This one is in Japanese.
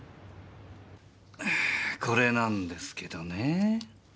これなんですけどねぇ。